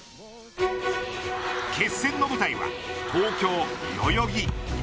決戦の舞台は東京・代々木。